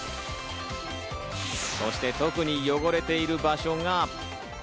そして特に汚れている場所が。